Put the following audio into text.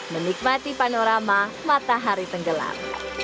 menikmati panorama matahari tenggelam